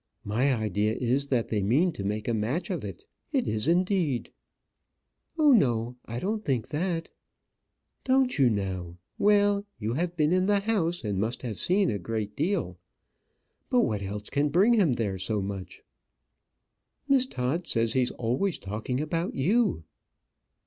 My idea is, that they mean to make a match of it. It is, indeed." "Oh, no; I don't think that." "Don't you now? Well, you have been in the house, and must have seen a great deal. But what else can bring him there so much?" "Miss Todd says he's always talking about you."